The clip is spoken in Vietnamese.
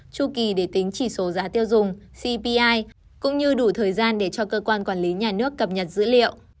chu kỳ để tính chỉ số giá tiêu dùng cpi cũng như đủ thời gian để cho cơ quan quản lý nhà nước cập nhật dữ liệu